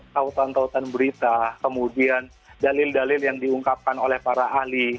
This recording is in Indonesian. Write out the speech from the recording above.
tautan tautan berita kemudian dalil dalil yang diungkapkan oleh para ahli